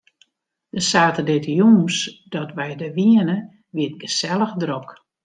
De saterdeitejûns dat wy der wiene, wie it gesellich drok.